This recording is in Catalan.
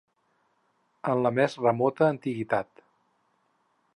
En la més remota antiguitat.